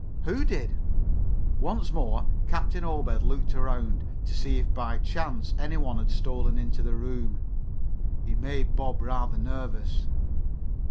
"Who did?" Once more Captain Obed looked around to see if by chance any one had stolen into the room. He made Bob rather nervous.